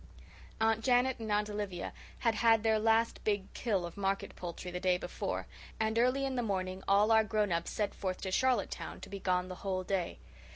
Aunt Janet and Aunt Olivia had had their last big "kill" of market poultry the day before; and early in the morning all our grown ups set forth to Charlottetown, to be gone the whole day.